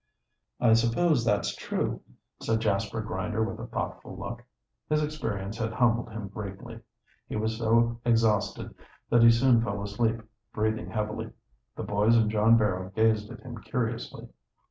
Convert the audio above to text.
"I suppose that's true," said Jasper Grinder, with a thoughtful look. His experience had humbled him greatly. He was so exhausted that he soon fell asleep, breathing heavily. The boys and John Barrow gazed at him curiously.